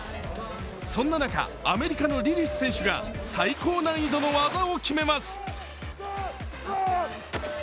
そんな中、アメリカのリリス選手が最高難易度の技を決めます。